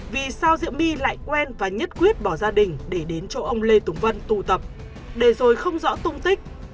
vì sao diệu my lại quen và nhất quyết bỏ gia đình để đến chỗ ông lê tùng vân tụ tập để rồi không rõ tung tích